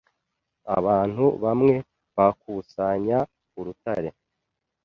Abantu bamwe bakusanya urutare.